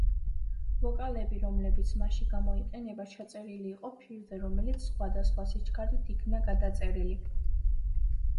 ვოკალები, რომლებიც მასში გამოიყენება, ჩაწერილი იყო ფირზე, რომელიც სხვადასხვა სიჩქარით იქნა გადაწერილი.